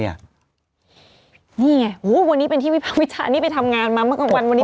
นี่ไงโอ้โฮวันนี้เป็นที่วิทยาลัยวิทยาลัยนี่ไปทำงานมาเมื่อกว่าวันนี้